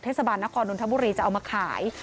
เทศบาลนครนนทบุรีจะเอามาขาย